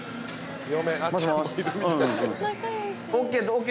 ＯＫ